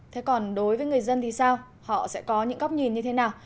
thế còn đối với người dân thì sao họ sẽ có những góc nhìn như thế nào